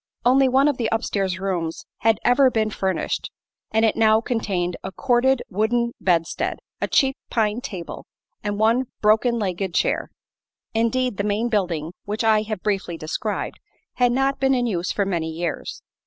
Only one of the upstairs rooms had ever been furnished, and it now contained a corded wooden bedstead, a cheap pine table and one broken legged chair. Indeed, the main building, which I have briefly described, had not been in use for many years.